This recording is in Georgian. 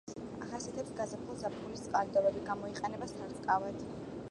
ახასიათებს გაზაფხულ-ზაფხულის წყალდიდობები, გამოიყენება სარწყავად.